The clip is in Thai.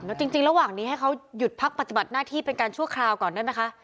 ต้องตรวจสอบจริงระหว่างนี้ให้เขาหยุดพักปัจจุบัติหน้าที่เป็นการชั่วคราวก่อนได้มั้ยคะ